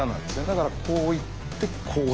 だからこういってこう。